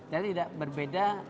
dan tidak berbeda